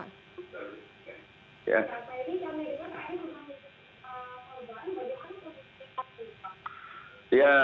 pak edi kami dengar pak edi menangani korban bagaimana kondisinya saat ini pak